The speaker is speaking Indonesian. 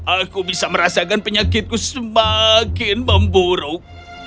aku bisa merasakan penyakitku semakin memburuk